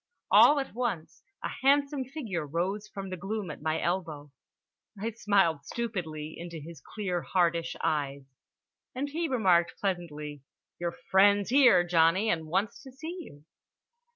All at once a handsome figure rose from the gloom at my elbow. I smiled stupidly into his clear hardish eyes. And he remarked pleasantly: "Your friend's here, Johnny, and wants to see you."